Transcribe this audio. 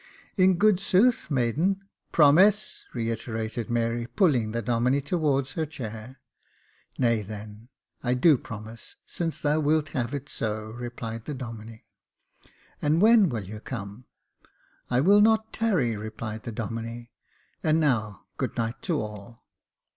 " In good sooth, maiden " "Promise," reiterated Mary, pulling the Domine to wards her chair. "Nay, then, I do promise, since thou wilt have it so," replied the Domine. " And when will you come ?"" I will not tarry," replied the Domine :" and now good night to all."